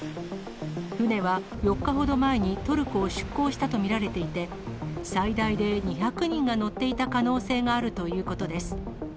船は４日ほど前にトルコを出港したと見られていて、最大で２００人が乗っていた可能性があるということです。